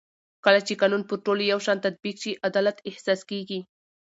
کله چې قانون پر ټولو یو شان تطبیق شي عدالت احساس کېږي